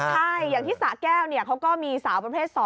ใช่อย่างที่สะแก้วเขาก็มีสาวประเภท๒